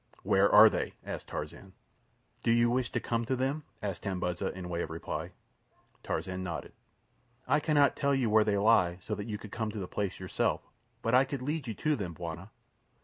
"Where are they?" asked Tarzan. "Do you wish to come to them?" asked Tambudza in way of reply. Tarzan nodded. "I cannot tell you where they lie so that you could come to the place yourself, but I could lead you to them, bwana."